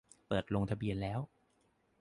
เปิดลงทะเบียนแล้ว